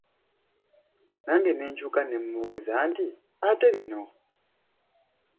Nange ne nkyuka ne mmubuuza nti, ate bino?